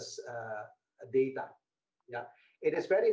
sangat jelas bahwa